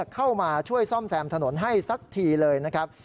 เข้ามาช่วยซ่อมแซมถนนให้สักทีเลยนะครับ